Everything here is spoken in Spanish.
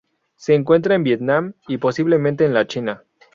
Se encuentra en Vietnam y, posiblemente en la China.